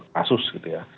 kasus gitu ya